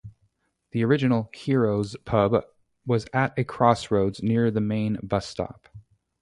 The original "Heroes" pub was at a crossroads near the main bus-stop.